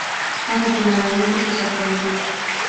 Afortunadamente, se sorprendió.